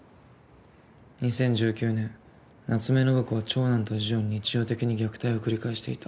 ２０１９年夏目信子は長男と次女に日常的に虐待を繰り返していた。